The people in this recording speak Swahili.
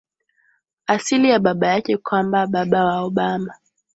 asili ya baba yake Kwamba baba wa Obama